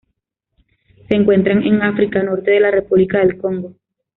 Se encuentran en África: norte de la República del Congo.